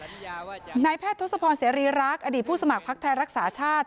อืมนายแพทย์ทศพเสรารีรักอดีตผู้สมัครภัคทรัยรักษาชาติ